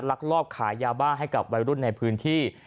ลักลอบขายยาบ้าให้กับวัยรุ่นในพื้นที่